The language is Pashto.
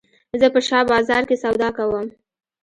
زه په شاه بازار کښي سودا کوم.